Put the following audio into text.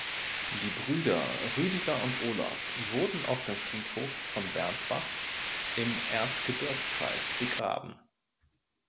Die Brüder Rüdiger und Olaf wurden auf dem Friedhof von Bernsbach im Erzgebirgskreis begraben.